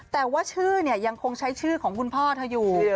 แต่ว่าชื่อเนี่ยยังคงใช้ชื่อของคุณพ่อเธออยู่